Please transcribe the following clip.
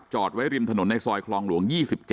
ไว้ริมถนนในซอยคลองหลวง๒๗